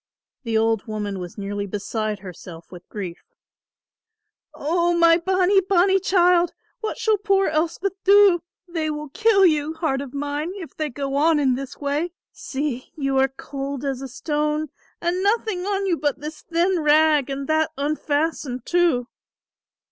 The old woman was nearly beside herself with grief. "O my bonnie bonnie child, what shall poor Elspeth do? They will kill you, heart of mine, if they go on in this way. See you are cold as a stone and nothing on you but this thin rag and that unfastened too."